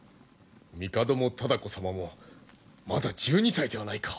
帝も多子様もまだ１２歳ではないか！